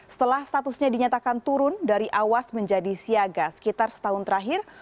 setelah statusnya dinyatakan turun dari awas menjadi siaga sekitar setahun terakhir